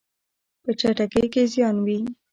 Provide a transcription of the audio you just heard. په چټکۍ کې زیان وي.